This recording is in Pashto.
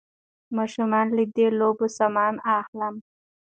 ماشومانو له د لوبو سامان اخلم